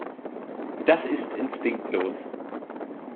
Das ist instinktlos!